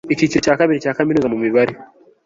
icyiciro cya kabiri cya kaminuza mumibare